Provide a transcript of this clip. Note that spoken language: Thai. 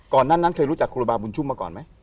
นั้นเคยรู้จักครูบาบุญชุมมาก่อนไหม